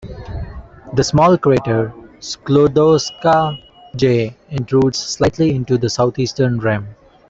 The small crater Sklodowska J intrudes slightly into the southeastern rim.